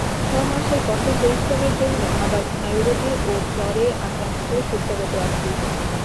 ছ-মাসের কঠোর পরিশ্রমের জন্য আবার স্নায়ুরোগে ও জ্বরে আক্রান্ত হয়ে শয্যাগত আছি।